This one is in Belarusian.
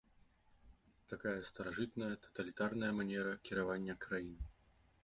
Такая старажытная таталітарная манера кіравання краінай.